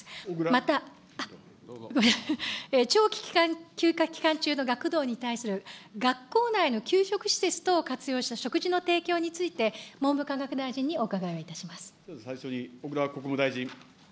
また、長期休暇期間中の学童に対する学校内の給食施設等を活用した食事の提供について、文部科学大臣にお伺いをいたします。